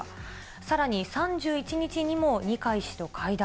さらに３１日にも二階氏と会談。